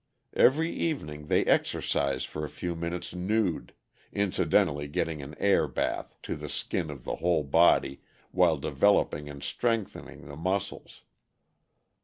Every evening they exercise for a few minutes nude, incidentally getting an air bath to the skin of the whole body while developing and strengthening the muscles.